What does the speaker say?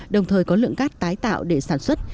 đồng thời có lượng cát tái tạo để sản xuất